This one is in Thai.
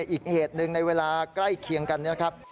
อีกเหตุหนึ่งในเวลาใกล้เคียงกันนะครับ